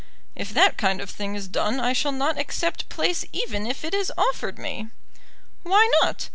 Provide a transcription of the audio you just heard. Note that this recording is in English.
"If that kind of thing is done I shall not accept place even if it is offered me." "Why not?